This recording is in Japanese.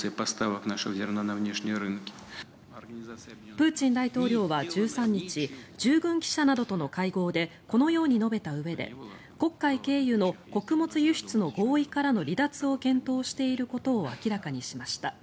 プーチン大統領は１３日従軍記者などとの会合でこのように述べたうえで黒海経由の穀物輸出の合意からの離脱を検討していることを明らかにしました。